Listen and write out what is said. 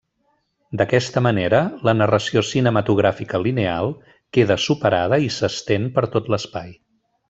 D'aquesta manera, la narració cinematogràfica lineal queda superada i s'estén per tot l'espai.